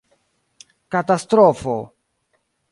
Katastrofo!